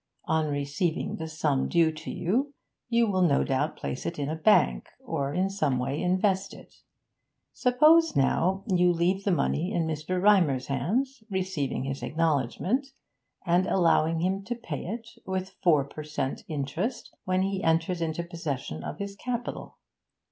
On receiving the sum due to you, you will no doubt place it in a bank, or in some way invest it. Suppose, now, you leave the money in Mr. Rymer's hands, receiving his acknowledgment, and allowing him to pay it, with four per cent, interest, when he enters into possession of his capital?